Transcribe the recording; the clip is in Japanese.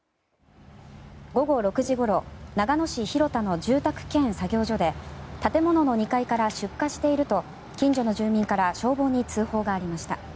午後６時ごろ長野市広田の住宅兼作業所で建物の２階から出火していると近所の住民から消防に通報がありました。